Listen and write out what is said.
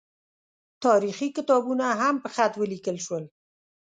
تاریخي کتابونه هم په خط ولیکل شول.